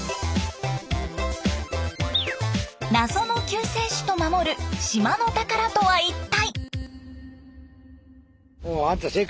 謎の救世主と守る島の宝とは一体？